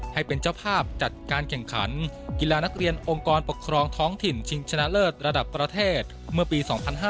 ให้เป็นเจ้าภาพจัดการแข่งขันกีฬานักเรียนองค์กรปกครองท้องถิ่นชิงชนะเลิศระดับประเทศเมื่อปี๒๕๕๙